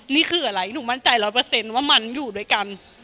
นี่คืออะไรหนูมั่นใจร้อยเปอร์เซ็นต์ว่ามันอยู่ด้วยกัน